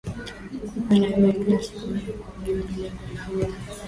Kukupenda wewe kila siku baada ya kukujua ni lengo langu.